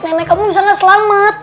nenek kamu bisa nggak selamat